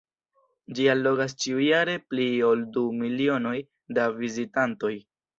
Ĝi allogas ĉiujare pli ol du milionoj da vizitantoj.